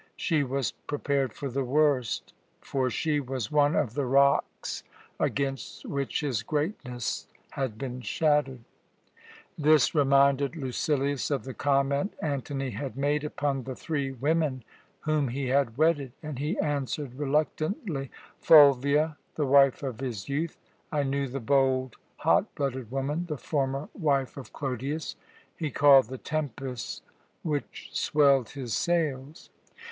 She was prepared for the worst, for she was one of the rocks against which his greatness had been shattered. This reminded Lucilius of the comment Antony had made upon the three women whom he had wedded, and he answered reluctantly: "Fulvia, the wife of his youth I knew the bold, hot blooded woman, the former wife of Clodius he called the tempest which swelled his sails."